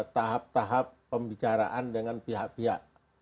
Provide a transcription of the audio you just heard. tahap tahap pembicaraan dengan pihak pihak